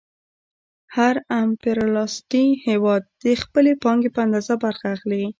هر امپریالیستي هېواد د خپلې پانګې په اندازه برخه اخلي